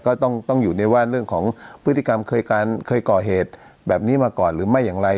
ก็ต้องอยู่ในว่าเรื่องของพฤติกรรมเคยก่อเหตุแบบนี้มาก่อนหรือไม่อย่างไร